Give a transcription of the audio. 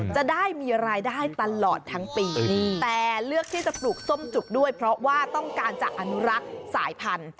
จะได้มีรายได้ตลอดทั้งปีแต่เลือกที่จะปลูกส้มจุกด้วยเพราะว่าต้องการจะอนุรักษ์สายพันธุ